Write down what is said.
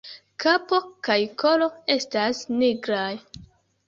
Kapo kaj kolo estas nigraj.